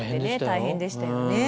大変でしたよね。